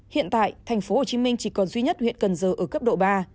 hiện tại thành phố hồ chí minh chỉ còn duy nhất huyện cần giờ ở cấp độ ba